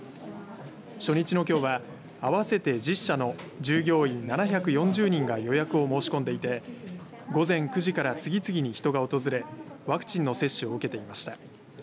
初日のきょうは合わせて１０社の従業員７４０人が予約を申し込んでいて午前９時から次々に人が訪れワクチンの接種を受けていました。